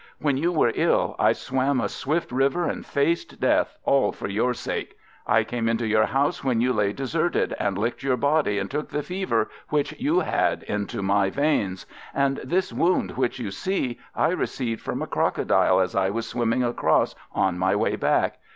When you were ill, I swam a swift river and faced death, all for your sake; I came into your house when you lay deserted, and licked your body, and took the fever which you had into my veins; and this wound which you see, I received from a crocodile as I was swimming across on my way back.